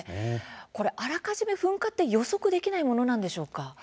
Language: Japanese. あらかじめ噴火って予想できないものなんでしょうか。